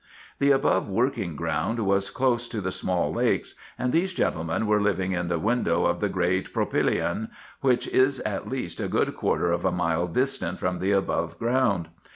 The above working ground was close to the small lakes, and these gentlemen were living in the window of the great propylaeon, which is at least a good quarter of a mile distant from the above ground.